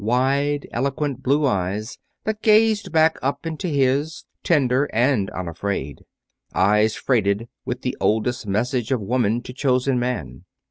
Wide, eloquent blue eyes that gazed back up into his, tender and unafraid; eyes freighted with the oldest message of woman to chosen man.